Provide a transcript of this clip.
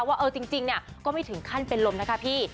ว่าเออจริงเนี่ยก็ไม่ถึงขั้นเป็นลมนะคะพี่